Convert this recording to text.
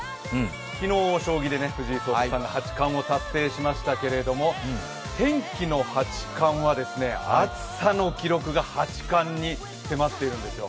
昨日、将棋で藤井聡太さんが八冠を達成しましたけど天気の八冠は、暑さの記録が八冠に迫っているんですよ。